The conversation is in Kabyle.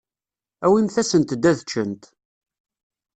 Awimt-asent-d ad ččent.